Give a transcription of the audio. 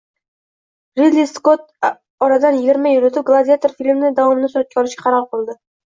Ridli Skott oradanyigirmayil o‘tib Gladiator filmining davomini suratga olishga qaror qildi